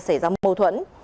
xảy ra mâu thuẫn